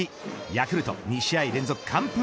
ヤクルト２試合連続完封